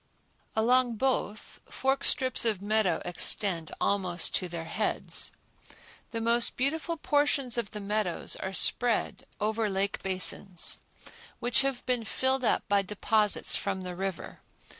Along both forks strips of meadow extend almost to their heads. The most beautiful portions of the meadows are spread over lake basins, which have been filled up by deposits from the river.